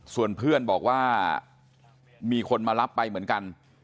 ส่วนเพื่อนบอกว่ามีคนมารับไปเหมือนกัน